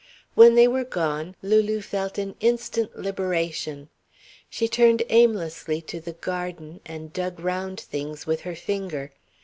When they were gone Lulu felt an instant liberation. She turned aimlessly to the garden and dug round things with her finger.